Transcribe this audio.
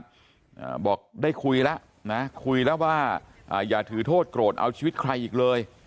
อ่าบอกได้คุยแล้วนะคุยแล้วว่าอ่าอย่าถือโทษโกรธเอาชีวิตใครอีกเลย